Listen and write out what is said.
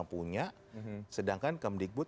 punya sedangkan kemdikbud